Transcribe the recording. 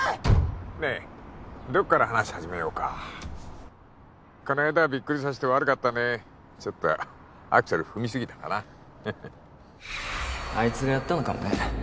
ねえどこから話始めようかこの間はびっくりさせて悪かったねちょっとアクセル踏みすぎたかなあいつがやったのかもね